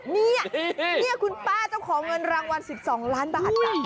นี่คุณป้าเจ้าของเงินรางวัล๑๒ล้านบาท